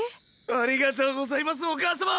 ありがとうございますお母様！